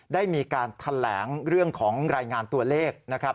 ได้มีการแถลงเรื่องของรายงานตัวเลขนะครับ